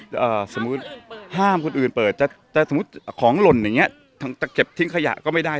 แต่สมมุติของหล่นอย่างนี้จะเก็บทิ้งขยะก็ไม่ได้